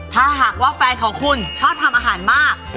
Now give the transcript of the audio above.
ถ้าหากว่าแฟนของคุณชอบทำอาหารมาก